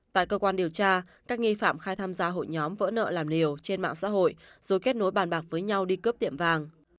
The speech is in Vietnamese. tại cơ quan điều tra các nghi phạm khai tham gia hội nhóm vỡ nợ làm liều trên mạng xã hội rồi kết nối bàn bạc với nhau đi cướp tiệm vàng